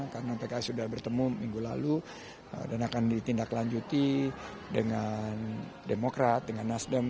karena pks sudah bertemu minggu lalu dan akan ditindaklanjuti dengan demokrat dengan nasdem